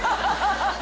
ハハハ